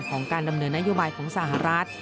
ของการดำเนินนโยบายของสหรัฐ